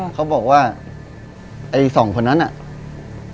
เขาบอกว่าไอ้สองคนนั้นน่ะ